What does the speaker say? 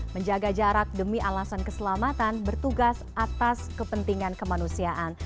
menjaga jarak demi alasan keselamatan bertugas atas kepentingan kemanusiaan